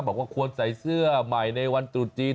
บอกว่าควรใส่เสื้อใหม่ในวันตรุษจีน